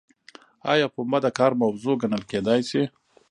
ایا پنبه د کار موضوع ګڼل کیدای شي؟